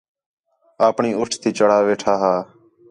اپݨی اُٹھ تی چڑھا ویٹھا ہا